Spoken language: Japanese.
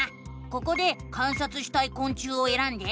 ここで観察したいこん虫をえらんで。